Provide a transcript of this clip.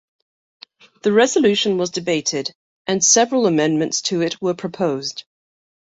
The resolution was debated and several amendments to it were proposed.